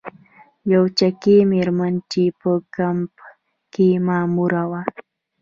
یوه چکي میرمن چې په کمپ کې ماموره وه.